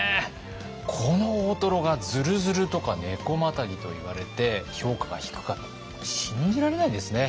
この大トロが「ずるずる」とか「ねこまたぎ」といわれて評価が低かった信じられないですね。